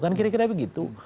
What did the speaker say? kan kira kira begitu